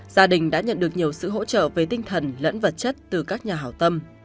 gia đình đã nhận được nhiều sự hỗ trợ về tinh thần lẫn vật chất từ các nhà hảo tâm